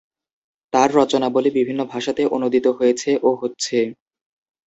তাঁর রচনাবলী বিভিন্ন ভাষাতে অনূদিত হয়েছে ও হচ্ছে।